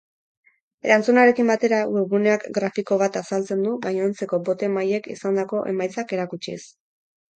Erantzunarekin batera, webguneak grafiko bat azaltzen du gainontzeko boto-emaileek izandako emaitzak erakutsiz.